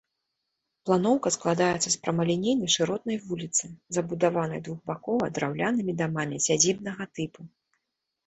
Планоўка складаецца з прамалінейнай шыротнай вуліцы, забудаванай двухбакова драўлянымі дамамі сядзібнага тыпу.